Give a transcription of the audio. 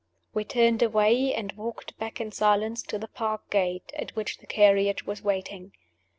We turned away, and walked back in silence to the park gate, at which the carriage was waiting.